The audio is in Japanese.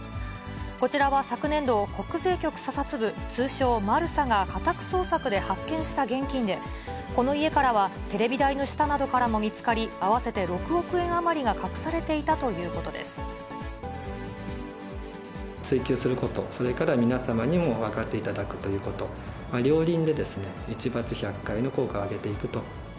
こちらは昨年度、国税局査察部、通称マルサが家宅捜索で発見した現金で、この家からは、テレビ台の下などからも見つかり、合わせて６億円余りが隠されていたとい追及すること、それから皆様にも分かっていただくということ、両輪で一罰百戒の効果を上げていくと。